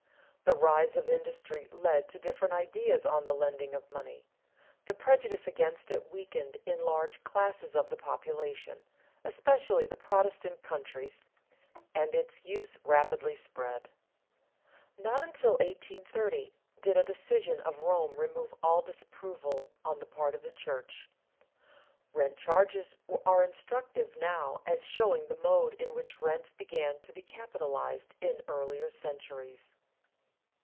The rise of industry led to different ideas on the lending of money; the prejudice against it weakened in large classes of the population, especially in Protestant countries, and its use rapidly spread. Not until 1830 did a decision of Rome remove all disapproval on the part of the church. Rent charges are instructive now as showing the mode in which rents began to be capitalized in earlier centuries.